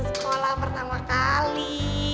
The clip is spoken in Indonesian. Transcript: satu sekolah pertama kali